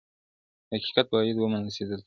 • حقيقت بايد ومنل سي دلته,